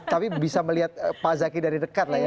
tapi bisa melihat pak zaki dari dekat lah ya